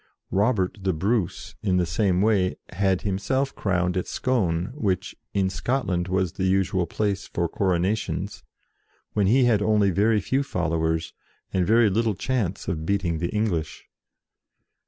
Robert the Bruce, in the same way, had himself crowned at Scone, which, in Scotland, was the usual place for coronations, when he had only very few followers, and very little chance of beating the English.